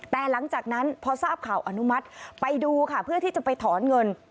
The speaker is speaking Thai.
แต่หลังจากนั้นพอทราบข่าวอนุมัติไปดูค่ะเพื่อที่จะไปถอนเงิน